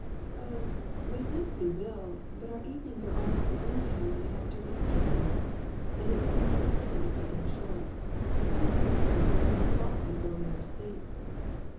"Oh, we think we will, but our evenings are almost the only time we have to read together, and it seems a pity to cut them short. Some times it is after eleven o'clock before we are asleep."